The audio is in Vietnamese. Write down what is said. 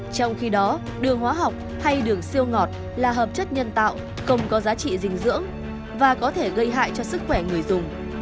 trong khi đó đường hóa học hay đường siêu ngọt là hợp chất nhân tạo không có giá trị dinh dưỡng và có thể gây hại cho sức khỏe người dùng